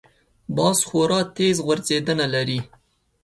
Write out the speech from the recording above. باز خورا تېز غورځېدنه لري